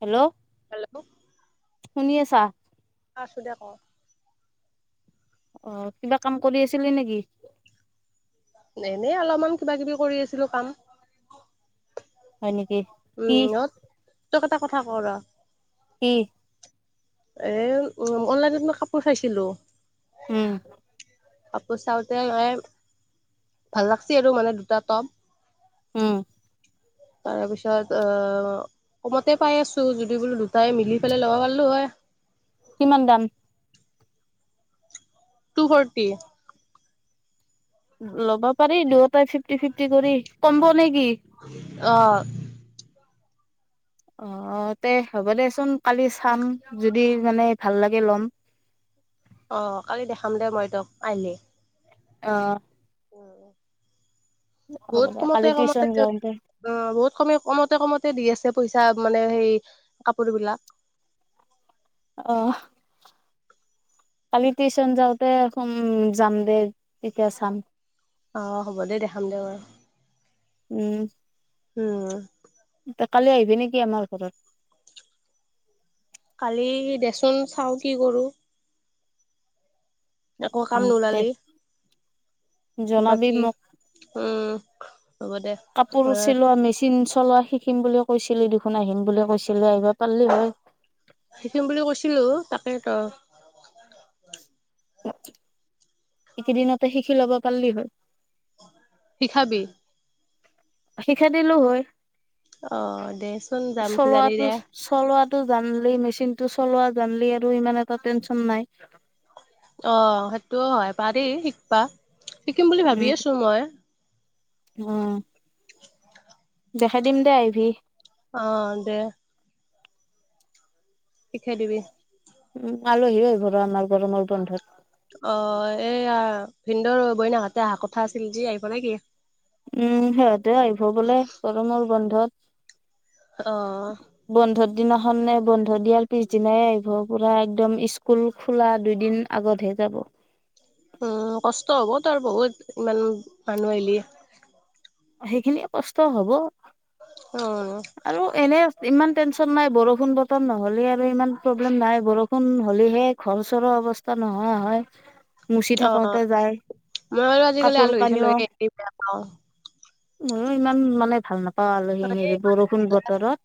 Hello! Hello আছো দে ক। অঁ কিবা কাম কৰি আছিলি নেকি? এনেই অলপমান কিবা কিবি কৰি আছিলো কাম। হয় নেকি কি উমঁ নত তোক এটা কথা কওঁ ৰ- কি? এই অনলাইনত মই কাপোৰ চাইছিলোঁ- উম। কাপো চাওঁতে এ -এ ভাল লাগিছে আৰু মানে দুটা টপ। হুম। তাৰ পিছত অঁ, কমতে পাই আছোঁ যদি বোলো দুটাই মিলি পেলাই ল'ব পাৰলো হয়। কিমান দাম? Two forty. ল'ব পাৰি দুয়োটাই ফিফটি-ফিফটি কৰি। কম্ব নে কি? অঁ! অঁ তে হ'ব দেচোন কালি চাম যদি মানে ভাল লাগে ল'ম। অঁ কালি দেখাম দে মই তক আহিলে। অঁ। হ'ব বহুত দে কমতে কালি কমতে টিউচন দিও যাওঁতে অঁ বহুত কমে কমতে কমতে দি আছে পইচা মানে সেই কাপোৰ বিলাক। অহ! কালি টিউচন যাওঁতে সোম যাম দে তেতিয়া চাম। অঁ হ'ব দে দেখাম দে বাৰু। উমঁ! উমঁ আহ- তই কালি আহিবি নেকি আমাৰ ঘৰত। কালি দেচোন চাওঁ কি কৰোঁ। একো কাম উম দে নোলালি- জনাবি বাকী মোক উমঁ হ'ব দে কাপোৰ অহ। চিলোৱা মেচিন চলোৱা শিকিম বুলি কৈছিলি দেখোন আহিম বুলি কৈছিলে আহিবা পাৰলি হয়। শিকিম বুলি কৈছিলোঁ তাকে তো। এইকেইদিনতে শিকি ল'বা পাৰিলি হ'ল। শিখাবি। শিখাই দিলো হয়ঁ। অ দেচোন যাম কিজানি চলোৱাটো দে। চলোৱাটো জানলি মেচিন টো চলোৱা জানলি আৰু ইমান এটা টেনচন নাই। অঁ সেইটো হয় পাৰিম শিকবা শিকিম বুলি ভাবি আছোঁ মই। উমঁ! দেখাই দিম দে আইভি। অঁ দে- শিখাই দিবি। উমঁ আলহী আহিব ৰ আমাৰ গৰমৰ বন্ধত। অ এয়া ভিনন্দৰ বইনাক হতে আহা কথা আছিল যি আহিব নেকি? উম সিহঁতে আহিব বোলে গৰমৰ বন্ধত। অঁ বন্ধৰ দিনাখন নে বন্ধ দিয়াৰ পিছ দিনাই আহিব। পুৰা একদম স্কুল খোলা দুইদিন। আকৌ ধেই যাব। উম কষ্ট হ'ব তাৰ বহুত ইমান মানুহ আহিলি। সেইখিনিয়ে কষ্ট হব। উম। আৰু এনে ইমান টেনচন নাই বৰষুণ বতৰ নহ'লে আৰু ইমান প্ৰব্লেম নাই। বৰষুণ হ'লেহে- ঘৰ-চৰৰ অৱস্থা নোহোৱা হয়। মুচি অঁ থাকোতে যায় মই আৰু আজিকালি কাপোৰ আলহী কানিও চালহী বেয়া পাওঁ। ময়ো ইমান মানে ভাল নাপাওঁ আলহী এই হেৰি বৰষুণ বতৰত।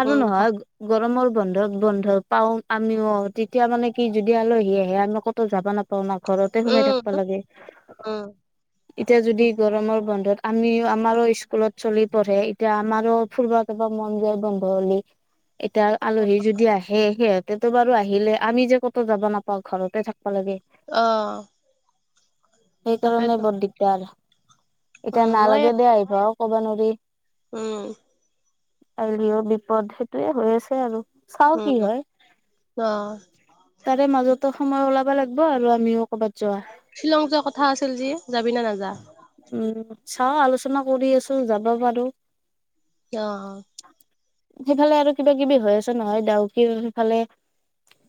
আৰু নহয়- গৰমৰ বন্ধ বন্ধ পাওঁ আমিও। তেতিয়া মানে কি যদি আলহী আহে আমি ক'তো যাবা নাপাওঁ ন। ঘৰতে সোমাই উম, থাকবা লাগে। উম, এতিয়া যদি গৰমৰ বন্ধত- আমিও আমাৰো স্কুলত চলি পঢ়ে- এতিয়া আমাৰো ফুৰবা যাব মন যায় বন্ধ হলে। এতিয়া আলহী যদি আহে সিহঁত- তে বাৰু আহিলে, আমি যে ক'তো যাব নাপাওঁ ঘৰতে থাকিব লাগে। অ', সেইকাৰণে তাকেইতো বৰ দিগদাৰ আৰু। এতিয়া উম, মই নালাগে দে আহিব কব নোৱাৰি। উম আইলিও বিপদ সেইটোয়ে হৈ আছে আৰু চাও কি উম, হয়। অ', তাৰে মাজতো সময় ওলাবা লাগিব আৰু আমিও কবাত- যোৱা শ্বিলং যোৱা কথা আছিল যে যাবি নে নাযাও? উম, চাও আলোচনা কৰি আছোঁ যাব পাৰোঁ। অঁ সেইফালে আৰু কিবা কিবি হৈ আছে নহয় ডাউকীৰ সেইফালে-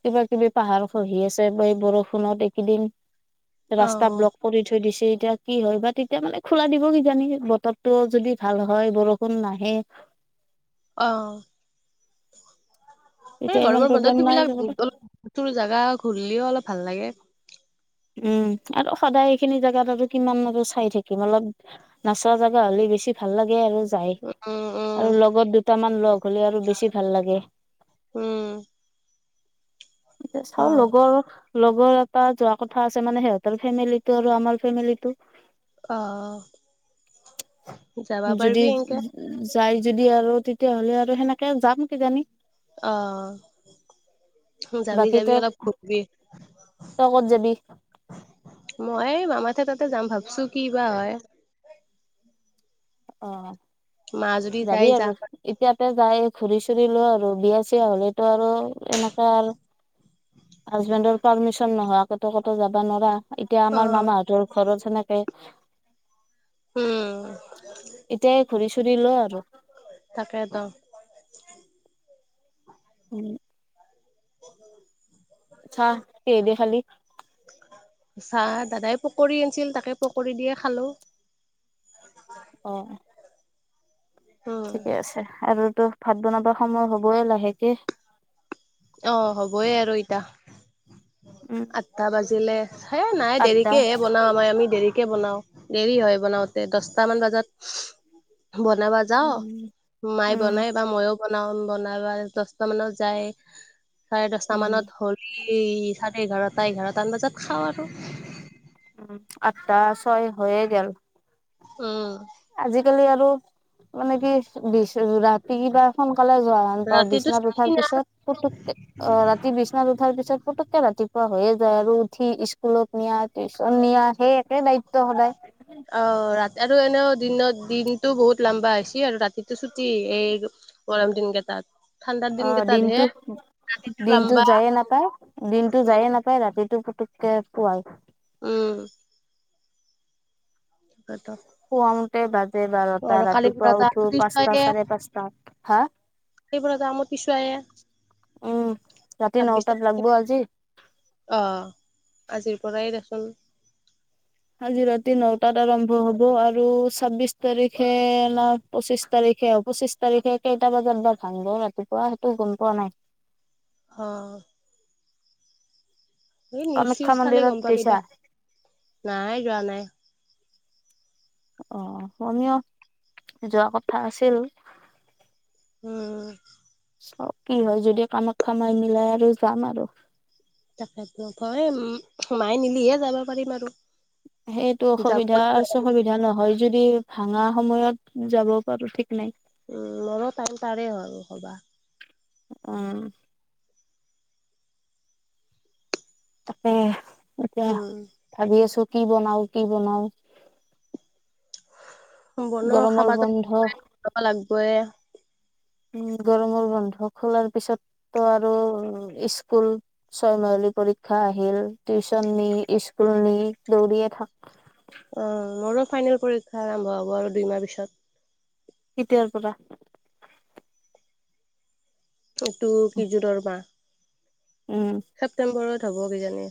কিবা কিবি পাহাৰ খহি আছে বা এই বৰষুণত এইকেইদিন- ৰাস্তা অ', ব্লক কৰি থৈ দিছে এতিয়া কি হয় বা তেতিয়া মানে- খোলা দিব কিজানি। বতৰটো যদি ভাল হয় বৰষুণ নাহে। অঁ এ তেতিয়া ইমান গৰমৰ প্ৰব্লেম বন্ধত নাই ইবিলাক- যাবলৈ তোৰ জাগা ঘূৰিলিও অলপ ভাল লাগে। উম আৰু সদায় এইখিনি জাগাত আৰু কিমান আৰু চাই থাকিম অলপ- নাচাৱা জাগা হ'লে বেছি ভাল লাগে আৰু। যাই। উম, উম, আৰু লগত দুটামান লগ হলে আৰু বেছি ভাল লাগে। উম। এতিয়া চাও অ', লগৰ- লগৰ এটা যোৱা কথা আছে মানে সিহঁতৰ ফেমিলিটো আৰু আমাৰ ফেমিলিটো। অঁ যদি যাই যদি আৰু তেতিয়াহ'লে আৰু সেনেকে যাম কিজানি। অঁ যাবি বাকী যাবি তই অলপ ঘূৰবি। তই ক'ত যাবি মই মামাসত তাতে যাম ভাবছো কি বা হয়। অঁ মা যদি যাবি যাই আজি আৰু। যাম। এতিয়াতে যায় ঘূৰি চুৰি আৰু বিয়া চিয়া হলেতো আৰু এনেকা আৰু- হাজবেণ্ডৰ পাৰ্মিচন নহোৱা কেতো কতো যাবা নাৰা। এতিয়া আমাৰ অ', মামাহঁতৰ- ঘৰত সেনেকে উম এতিয়াই ঘূৰি- চুৰি ল আৰু তাকেতো উম চাহ কিহেদি খালি চাহ দাদাই পকৰী আনিছিল তাকে পকৰী দিয়ে খালো অ উম ঠিকে আছে আৰু তো ভাত বনাব সময় হবয়ে লাহেকে অ হ'বই আৰু এতিয়া উম আঠটা বাজিলে সেই নাই আঠটা দেৰিকেহে বনাও হয় আমি দেৰিকে বনাও দেৰি হয় বনাওতে দচটা মান বাজাত বনাবা যাওঁ উম মায়ে উম বনাই বা মইও বনাও বনাবা দহটা মানত যায় চাৰে দচটা উম মানত হ'লি চাৰে এঘাৰটা এঘাৰটামান বজাত খাওঁ আৰু উম আঠটা ছয় হৈয়ে গেল উম আজিকালি আৰু মানে কি বি ৰাতি কিবা সোনকালে যোৱা হান পাও বিচনাত উঠাৰ ৰাতিটো পিছত পুুতুককে অ ৰাতি বিছনাত উঠাৰ পিছত পুতুককে ৰাতিপুৱা হৈয়ে যায় আৰু উঠি স্কুলত নিয়া টিউচন নিয়া সেই একে দায়িত্ব সদায় অ ৰাতি আৰু এনেও দিনত দিনটো বহুত লাম্বা হৈছে আৰু ৰাতিটো ছুটি এই গৰম দিনকেটাত অ দিনটো ৰাতিটো দিনটো লম্বা যায়ে নাপায় দিনটো যায়ে উম, নাপায় ৰাতিটো পুতুককে পোৱাই উম তাকেটো শুৱাওতে বাজে বাৰটা পৰা ৰাতিপুৱা এটা উঠো পাঁচটা পিছুৱায়ে চাৰে পাঁচটাত হা সেইবোৰেটো কামত পিছুৱাই উম ৰাতি আহ ছাব্বিছ নটাত লাগব তাৰিখে আজি অ আজিৰ পৰাই দেচোন আজি ৰাতি নটাত আৰম্ভ হব আৰু ছাব্বিশ তাৰিখে লাষ্ট পঁচিশ তাৰিখে আৰু পঁচিশ তাৰিখে কেইটা বজাত বা ভাংব ৰাতিপুৱা সেইটো গম পোৱা নাই। অ এই নিউচ চিউচ কামাখ্যা চালে মন্দিৰত গম পাবি গৈছা দে নাই যোৱা নাই। অ অ তুমিও যোৱা কথা আছিল উম চাও কি হয় যদি কামাখ্যা মাই মিলাই আৰু যাম আৰু। তাকেতো হয় উম মাই নিলিহে যাব পাৰিম আৰু। সেইটো যাম অসুবিধা ক'লে আছে যাব সুবিধা পাৰিম। অসুবিধা নহয় যদি ভাঙা সময়ত যাব পাৰো ঠিক নাই। উম মোৰো টাইম পাৰে হল হবা। উম। তাকে এতিয়া উম। ভাবি আছো কি বনাও কি বনাও বনোৱা গৰমৰ খাবাটো বন্ধ লাগবই খাব লাগিবই উম গৰমৰ বন্ধ খোলাৰ পিছততো আৰু স্কুল ছয়মাহিলি পৰীক্ষা আহিল টিউচন নি স্কুল নি দৌৰিয়ে থাক। অ মোৰো ফাইনেল পৰীক্ষা আৰম্ভ হ'ব আৰু দুইমাহ পিছত। কেতিয়াৰ পৰা? এইটো কি যোৰৰ মাহ উম ছেপ্টেম্বৰ হ'ব কিজানি?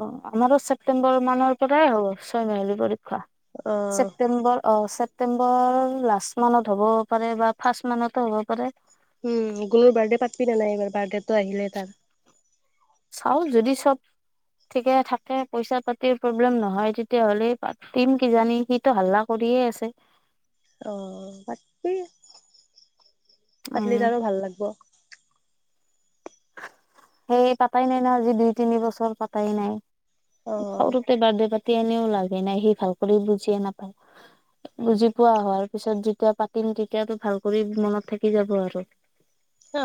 অ আমাৰটো ছেপ্টেম্বৰ মানৰ পৰাই হ'ব ছয় মাহেলি পৰী অ ছেপটেম্বৰ অ ছেপ ছেপ্টেম্বৰ লাষ্ট মানত হ'ব পাৰে বা ফাৰ্ষ্ট মানতো হ'ব পাৰে। উম গুণোৰ বাৰ্থডে পাতবি নাই এইবাৰ বাৰ্থডেতটো আহিলে তাৰ। চাও যদি চব ঠিকে থাকে পইচা পাতি প্ৰব্লেম নহয় তেতিয়াহ'লে পাতিম কিজানি সি টো হাল্লা কৰিয়ে আছে। অ তাকেই পাতিলি উম আৰু ভাল লাগব। সেই পাতাই নাই নহয় আজি দুই তিনি বছৰ পাতাই নাই অ সৰুতে বাৰ্থদে পা পাতি এনেও লাভেই নাই সি ভাল কৰি বুজিয়ে নাপায়। বুজি পোৱা হোৱাৰ পিছত যেতিয়া পাতিম তেতিয়াটো ভাল কৰি মনত থাকি যাব আৰু। অ।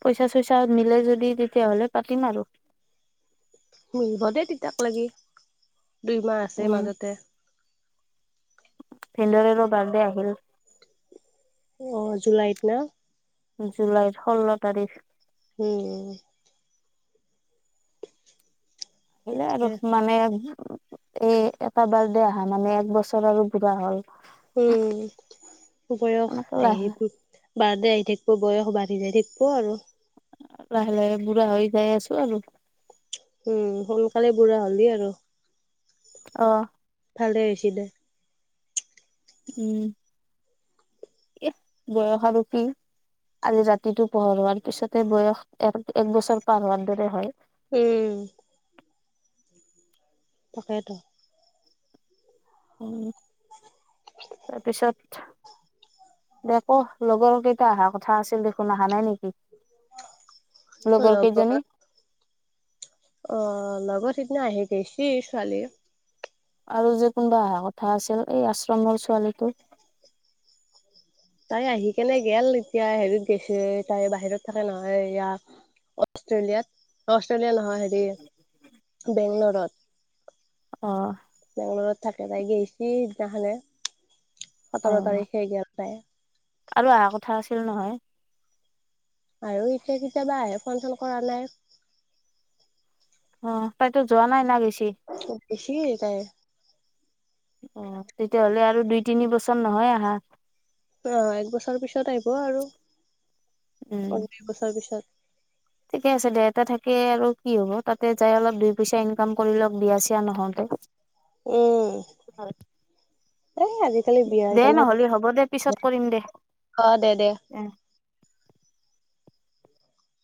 পইচা চইচা মিলে যদি তেতিয়াহ'লে পাতিম আৰু। মিলিব দেই তেতিয়া লৈকে দুই মাহ আছে উম মাজতে। ভিন্দেৰেও ৰো বাৰ্থডে আহিল। অ জুলাইত না? জুলাইৰ ষোল্ল তাৰিখ। হ'ম। আহিলে আৰু ঠিকে মানে এই এটা বাৰ্থডে আহা মানে এক বছৰ আৰু বুঢ়া হ'ল। উম বয়স এনেকে লাহে আহি বাৰ্থডে আহি থাকিব বয়স বাঢ়ি যাই থাকিব আৰু। লাহ লাহে বুঢ়া হৈ যাই আছো আৰু। উম সোনকালে বুঢ়া হলি আৰু। অ। ভালে হয়ছি দে। উম। ই বয়স আৰু কি? আজি ৰাতিটো পোহৰোৱাৰ পিছতে বয়স এক এক বছৰ পাৰ হোৱাৰ দৰে হয়। উম। তাকেতো। উম তাৰপিছত দে ক লগৰ কেইটা অহা কথা আছিল দেখোন আহা নাই নেকি? লগৰ অ' লগত সিদিনা আহি গৈছি ছোৱালী আৰু যে কোনোবা অহা কথা আছিল এই আশ্ৰমৰ ছোৱালীটো? তাই আহি কিনে গেল, এতিয়া হেৰিত গেছে তাই বাহিৰত থাকে নহয়। ইয়া অষ্ট্ৰেলিয়াত অষ্ট্ৰেলিয়া নহয় হেৰি বেংগলৰত। অ' বেংলৰত থাকে তাই গৈছি সিদিনাখনে, অ সোতৰ তাৰিখে গেলি তাই। আৰু আহা কথা আছিল নহয়? আৰু এতিয়া কেতিয়াবা আহে ফন চন কৰা নাই। অ' তাইতো যোৱা নাই না গেছি? অ' গেছি তাই। অ' তেতিয়াহ'লে আৰু দুই তিনি বছৰ নহয় আহা? অঁ এক বছৰ পিছত আহিব আৰু উম অ দু বছৰ পিছত। ঠিকে আছে দে, এয়াত থাকি আৰু কি হ'ব, তাতে যাই অলপ দুই পইচা ইনকাম কৰি লওঁক বিয়া চিয়া নহওঁতে। উম, এই আজি। কালি বিয়াহে দে নহ'লে [unintelligible] গ'ল। হ'ব দে পিছত কৰিম দে অ' দে দে এ